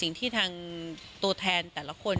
สิ่งที่ทางตัวแทนแต่ละคน